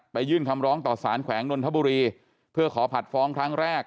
ยื่นคำร้องต่อสารแขวงนนทบุรีเพื่อขอผัดฟ้องครั้งแรก